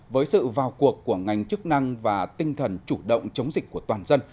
với sự vào cuộc của ngành chức năng và tinh thần chủ động chống dịch của toàn dân